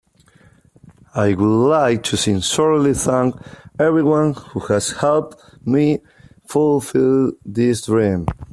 I would like to sincerely thank everyone who has helped me fulfill this dream.